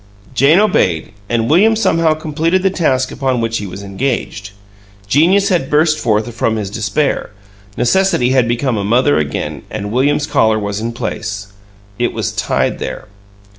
Jane obeyed, and William somehow completed the task upon which he was engaged. Genius had burst forth from his despair; necessity had become a mother again, and William's collar was in place. It was tied there.